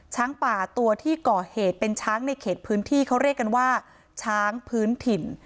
ช้างป่าตัวที่ก่อเหตุเป็นช้างในเขตพื้นที่เขาเรียกกันว่าช้างพื้นถิ่น